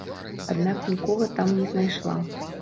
Аднак нікога там не знайшла.